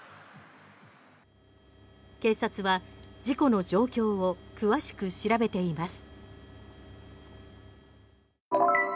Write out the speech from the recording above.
警察は事故の状況を詳しく調べています。